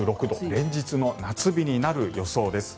連日の夏日になる予想です。